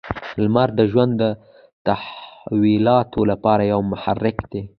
• لمر د ژوند د تحولاتو لپاره یو محرک دی.